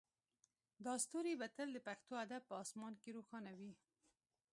دا ستوری به تل د پښتو ادب په اسمان کې روښانه وي